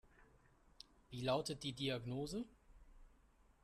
Wie lautet die Diagnose?